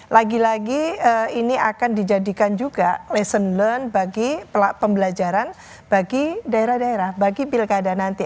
lagi lagi ini akan dijadikan juga lesson learned bagi pembelajaran bagi daerah daerah bagi pilkada nanti